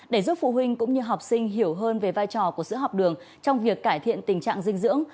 để giúp phụ huynh cũng như học sinh hiểu hơn về vai trò của sữa học đường trong việc cải thiện tình trạng dinh dưỡng